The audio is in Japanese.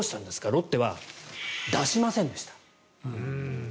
ロッテは出しませんでした。